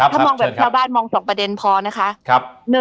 ถ้ามองแบบชาวบ้านมอง๒ประเด็นพอนะคะ